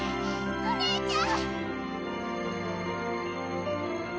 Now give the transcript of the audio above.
おお姉ちゃん！